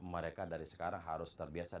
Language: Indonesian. mereka dari sekarang harus terbiasa